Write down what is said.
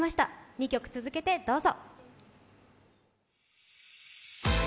２曲続けてどうぞ。